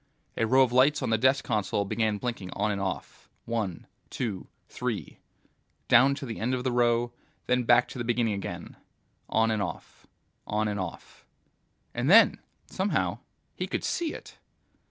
A row of lights on the desk console began blinking on and off, one, two, three ... down to the end of the row, then back to the beginning again, on and off, on and off ... And then, somehow, he could see it!